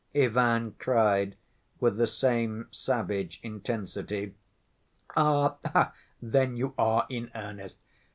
Ivan cried with the same savage intensity. "Ah, then you are in earnest!